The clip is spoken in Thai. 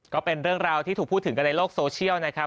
ก็เป็นเรื่องราวที่ถูกพูดถึงกันในโลกโซเชียลนะครับ